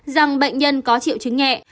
rằng bệnh nhân có triệu chứng nhẹ